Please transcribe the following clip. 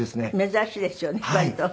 珍しいですよね割と。